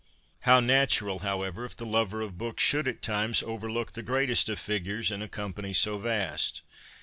How natural, however, if the lover of books should at times overlook the greatest of figures in a company so vast